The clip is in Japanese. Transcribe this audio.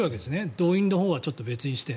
動員のほうはちょっと別にして。